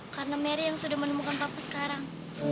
karena mary yang sudah menemukan papa sekarang